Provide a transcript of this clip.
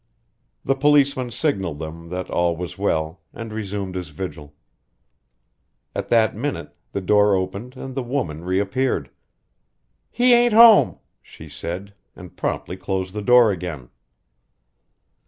The policeman signaled them that all was well, and resumed his vigil. At that minute the door opened and the woman reappeared. "He ain't home!" she said, and promptly closed the door again.